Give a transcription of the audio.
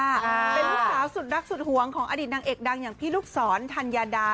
เป็นลูกสาวสุดรักสุดหวงของอดีตนางเอกดังอย่างพี่ลูกศรธัญญาดา